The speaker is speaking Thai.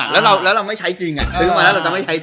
แล้วเราไม่ใช้จริงค่ะ